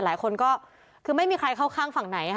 หลายคนก็คือไม่มีใครเข้าข้างฝั่งไหนค่ะ